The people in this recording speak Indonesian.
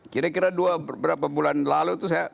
kira kira dua berapa bulan lalu